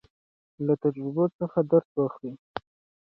له تجربو څخه درس واخلئ.